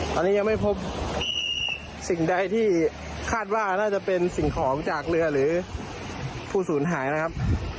ตอนนี้ยังไม่พบสิ่งใดที่คาดว่าน่าจะเป็นสิ่งของจากเรือหรือผู้สูญหายนะครับ